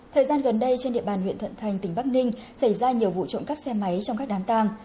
thời gian gần đây trên địa bàn huyện thuận thành tỉnh bắc ninh xảy ra nhiều vụ trộm cắp xe máy trong các đám tàng